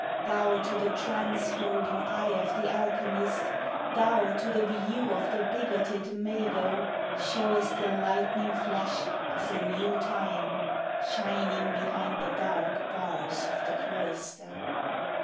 Thou to the trance holden Eye of the alchemist, Thou to the view of the Bigoted mago, Showest the lightning flash Of the new time Shining behind the dark Bars of the cloister.